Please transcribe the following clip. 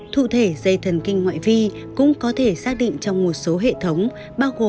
thụ thể dây thần kinh ngoại vi cũng có thể xác định trong một số hệ thống